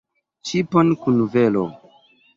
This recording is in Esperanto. ŝipon kun velo!